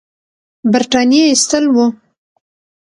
برټانیې ایستل وو.